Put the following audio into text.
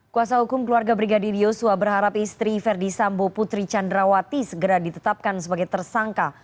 kuasa hukum keluarga brigadir yosua berharap istri verdi sambo putri candrawati segera ditetapkan sebagai tersangka